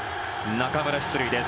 中村、出塁です。